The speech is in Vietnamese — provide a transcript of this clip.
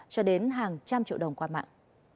cho đến hàng trăm triệu đồng qua mạng